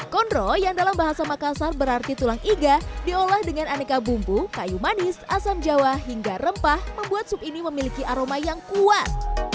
kondro yang dalam bahasa makassar berarti tulang iga diolah dengan aneka bumbu kayu manis asam jawa hingga rempah membuat sup ini memiliki aroma yang kuat